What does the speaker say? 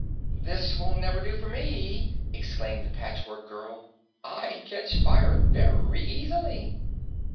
"This will never do for me!" exclaimed the Patchwork Girl. "I catch fire very easily."